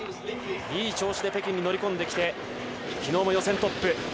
いい調子で北京に乗り込んできて昨日も予選トップ。